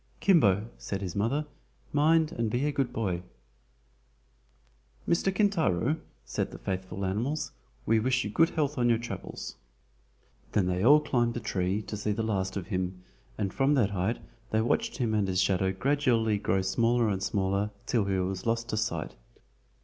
"Kimbo," said his mother, "mind and be a good boy." "Mr. Kintaro," said the faithful animals, "we wish you good health on your travels." Then they all climbed a tree to see the last of him, and from that height they watched him and his shadow gradually grow smaller and smaller, till he was lost to sight.